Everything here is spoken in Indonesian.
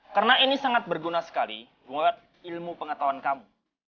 karena ini sangat berguna sekali buat ilmu pengetahuan kamu